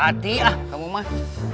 ada hati lah kamu mas